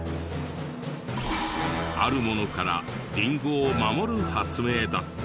あるものからリンゴを守る発明だった。